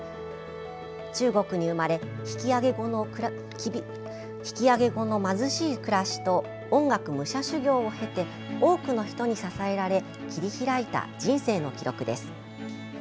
中国に生まれ引き揚げ後の貧しい暮らしと音楽武者修行を経て多くの人に支えられ切り開いた人生の記録です。